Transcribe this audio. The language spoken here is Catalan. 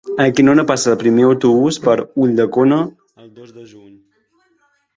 A quina hora passa el primer autobús per Ulldecona el dos de juny?